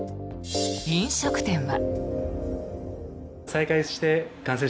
飲食店は。